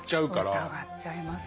疑っちゃいます。